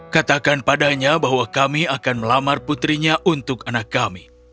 katakan padanya bahwa kami akan melamar putrinya untuk menikah